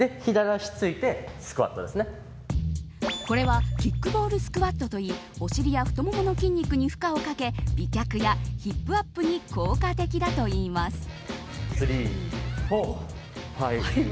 これはキックボールスクワットといいお尻や太ももの筋肉に負荷をかけ美脚やヒップアップに効果的だといいます。